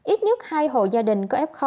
ít nhất hai hộ gia đình có f